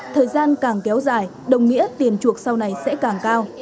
thời gian càng kéo dài đồng nghĩa tiền chuộc sau này sẽ càng cao